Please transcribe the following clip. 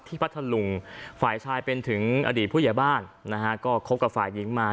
พัทธลุงฝ่ายชายเป็นถึงอดีตผู้ใหญ่บ้านนะฮะก็คบกับฝ่ายหญิงมา